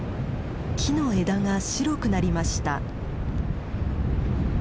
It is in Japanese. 木の枝が白くなりました。